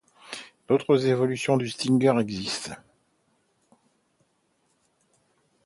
D'autres évolutions du Stinger existent.